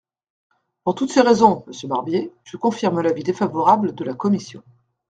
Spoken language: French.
Pour toutes ces raisons, monsieur Barbier, je confirme l’avis défavorable de la commission.